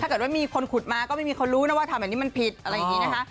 ถ้าเกิดว่ามีคนขุดมาก็ไม่มีคนรู้นะว่าทำแบบนี้มันผิดอะไรอย่างนี้นะคะ